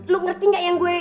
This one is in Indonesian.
lu ngerti gak yang gue